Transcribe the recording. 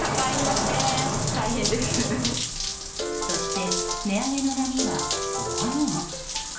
そして、値上げの波はここにも。